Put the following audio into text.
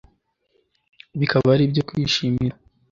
bikaba ari ibyo kwishimira